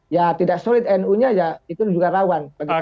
ya tidak solid nu nya ya itu juga rawan